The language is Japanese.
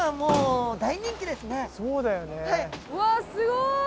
うわすごい。